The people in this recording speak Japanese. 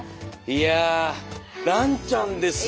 いやランちゃんですよ。